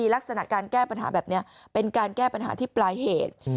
ลักษณะการแก้ปัญหาแบบนี้เป็นการแก้ปัญหาที่ปลายเหตุ